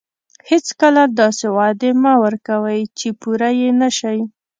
هیڅکله داسې وعدې مه ورکوئ چې پوره یې نه شئ.